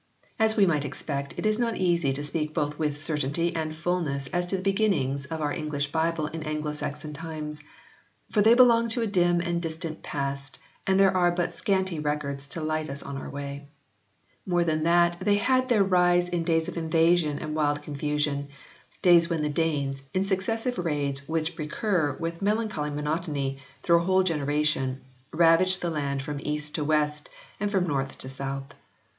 As we might expect it is not easy to speak both with certainty and fulness as to the beginnings of our English Bible in Anglo Saxon times. For they belong to a dim and distant past and there are but scanty records to light us on our way. More than that they had their rise in days of invasion and wild confusion, days when the Danes, in successive raids which recur with melancholy monotony through a whole generation, ravaged the land from east to west and from north to south.